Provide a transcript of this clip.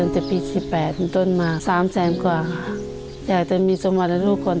จำนวงให้คืนมาให้ลูกค่ะ